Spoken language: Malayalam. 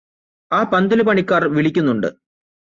ആ പന്തലുപണിക്കാർ വിളിക്കുന്നുണ്ട്